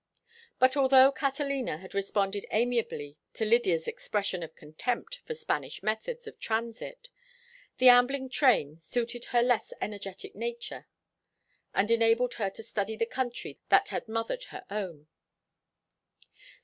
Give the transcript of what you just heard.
But although Catalina had responded amiably to Lydia's expression of contempt for Spanish methods of transit, the ambling train suited her less energetic nature and enabled her to study the country that had mothered her own.